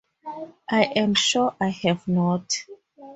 I am sure I have not.